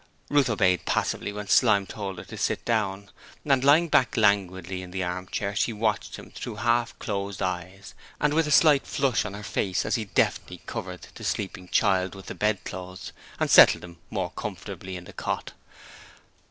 Ruth obeyed passively when Slyme told her to sit down, and, lying back languidly in the armchair, she watched him through half closed eyes and with a slight flush on her face as he deftly covered the sleeping child with the bedclothes and settled him more comfortably in the cot.